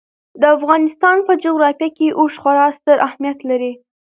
د افغانستان په جغرافیه کې اوښ خورا ستر اهمیت لري.